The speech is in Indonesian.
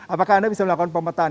apakah anda bisa melakukan pemetaan